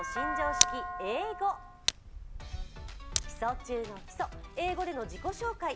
基礎中の基礎、英語での自己紹介。